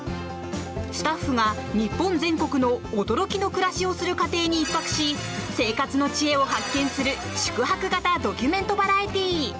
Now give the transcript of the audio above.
スタッフが日本全国の驚きの暮らしをする家庭に１泊し生活の知恵を発見する宿泊型ドキュメントバラエティー。